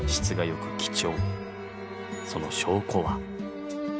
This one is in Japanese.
その証拠は。